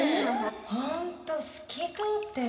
ホント透き通ってる。